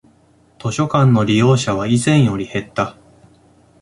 図書館の利用者は以前より減った